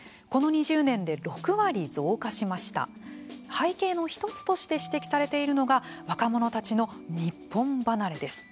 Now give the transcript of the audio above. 背景の１つとして指摘されているのが若者たちの日本離れです。